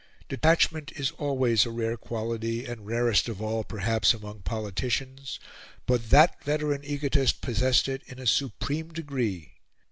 Detachment is always a rare quality, and rarest of all, perhaps, among politicians; but that veteran egotist possessed it in a supreme degree.